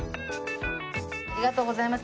ありがとうございます。